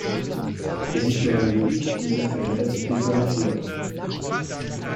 Es ist daher möglich, diese Felder zu differenzieren.